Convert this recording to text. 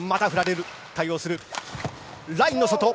ラインの外。